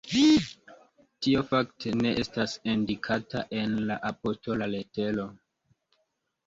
Tio fakte ne estas indikata en la apostola letero”.